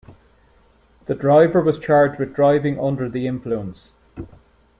The driver was charged with Driving Under the Influence.